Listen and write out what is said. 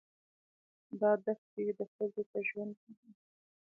دا دښتې د ښځو په ژوند کې دي.